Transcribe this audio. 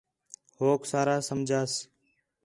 ہوک سارا سمجھاس